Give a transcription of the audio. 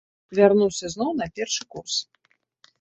Вярнуўся зноў на першы курс.